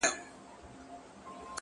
• سړي وویل راغلی مسافر یم ,